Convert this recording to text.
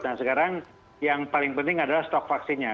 dan sekarang yang paling penting adalah stok vaksinnya